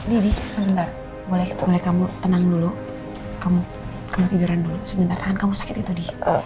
d d sebentar boleh kamu tenang dulu kamu tiduran dulu sebentar tahan kamu sakit gitu d